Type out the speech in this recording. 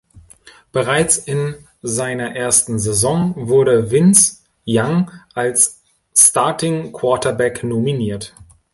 Bereits in seiner ersten Saison wurde Vince Young als Starting-Quarterback nominiert.